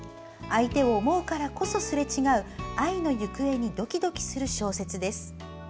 相手を思うからこそすれ違う愛の行方にドキドキする小説です。